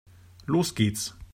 Los geht's!